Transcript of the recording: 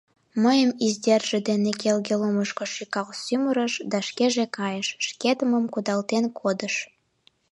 — Мыйым издерже дене келге лумышко шӱкал сӱмырыш да шкеже кайыш, шкетемым кудалтен кодыш.